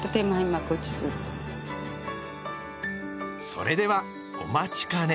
それではお待ちかね。